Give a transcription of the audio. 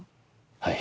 はい。